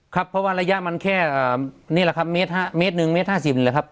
ครับเพราะว่าระยะมันแค่นี่แหละครับเมตรหนึ่งเมตรห้าสิบเลยครับ